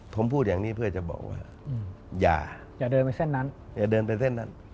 ผมพูดอย่างนี้เพื่อจะบอกว่าอย่าอย่าเดินไปเส้นนั้น